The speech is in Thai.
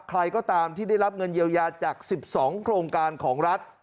ใครก็ตามที่ได้รับเงินเยียวยาจาก๑๒โครงการของรัฐ